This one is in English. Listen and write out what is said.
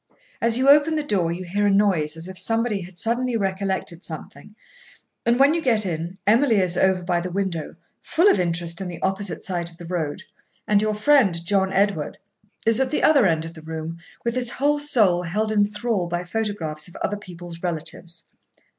As you open the door, you hear a noise as if somebody had suddenly recollected something, and, when you get in, Emily is over by the window, full of interest in the opposite side of the road, and your friend, John Edward, is at the other end of the room with his whole soul held in thrall by photographs of other people's relatives.